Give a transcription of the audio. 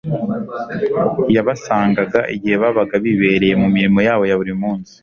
Yabasangaga igihe babaga bibereye mu mirimo yabo ya buri munsi,